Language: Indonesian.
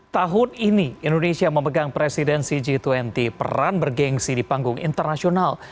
tahun ini indonesia memegang presidensi g dua puluh peran bergensi di panggung internasional